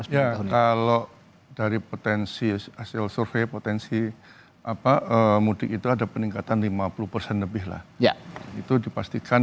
ya kalau dari potensi hasil survei potensi apa mudik itu ada peningkatan lima puluh persen lebih lah ya itu dipastikan